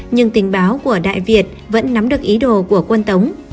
nhưng tình báo của đại việt vẫn nắm được ý đồ của quân tống